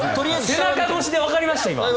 背中越しでわかりました？